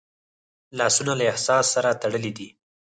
لاسونه له احساس سره تړلي دي